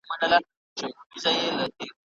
زه هیڅکله خپل وخت په لوبو نه تېروم.